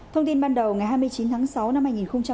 thông tin ban đầu ngày hai mươi chín tháng sáu năm hai nghìn hai mươi